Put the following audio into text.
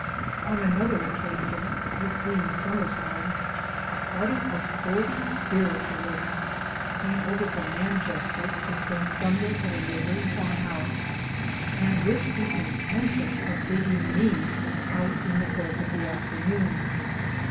On another occasion, it being summer time, a party of forty Spiritualists came over from Manchester to spend Sunday at a neighboring farmhouse, and with the intention of digging me out in the course of the afternoon.